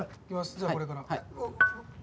じゃあこれから。